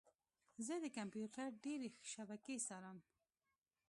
زه د کمپیوټر ډیرې شبکې څارم.